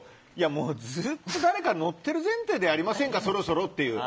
もう、ずっと誰か乗ってる前提でやりませんか、そろそろって。